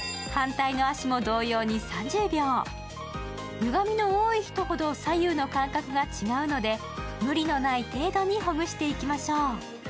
ゆがみの多い人ほど左右の間隔が違うので無理のない程度にほぐしていきましょう。